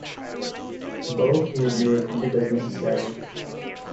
Both may be repeated as necessary.